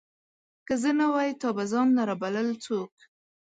که زه نه وای، تا به ځان لره بلل څوک